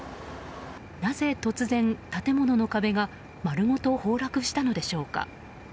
なぜ突然、建物の壁が丸ごとまるごと崩落したのでしょうか。